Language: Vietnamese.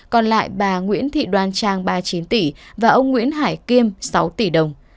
còn lại bà nguyễn thị đoan trang ba mươi chín tỷ và ông nguyễn hải kiêm sáu tỷ đồng